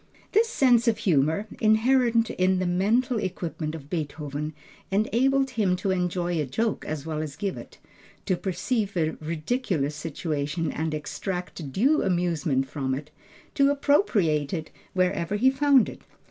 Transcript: This sense of humor, inherent in the mental equipment of Beethoven, enabled him to enjoy a joke as well as give it, to perceive a ridiculous situation and extract due amusement from it, to appropriate it wherever he found it.